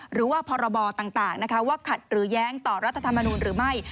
หรือว่าพรบต่างว่าขัดหรือแย้งต่อรัฐธรรมนูลหรือไม่